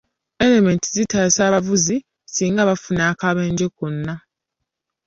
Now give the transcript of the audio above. Erementi zitaasa abavuzi singa bafuna akabenje konna.